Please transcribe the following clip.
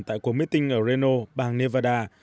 tại cuộc meeting ở reno bang nevada